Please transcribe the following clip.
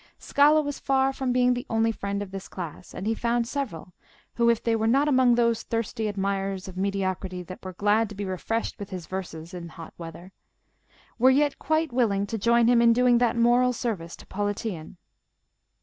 Scala was far from being the only friend of this class, and he found several who, if they were not among those thirsty admirers of mediocrity that were glad to be refreshed with his verses in hot weather, were yet quite willing to join him in doing that moral service to Politian.